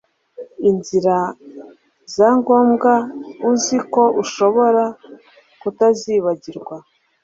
Inzira zangombwa uzi ko ushobora kutazibagirwa